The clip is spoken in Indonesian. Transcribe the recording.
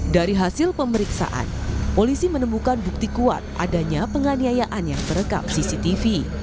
dari hasil pemeriksaan polisi menemukan bukti kuat adanya penganiayaan yang terekam cctv